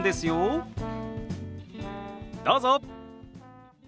どうぞ！